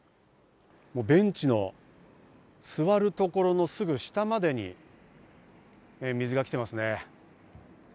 もうベンチの座るところのすぐ下までに水が来いていますね。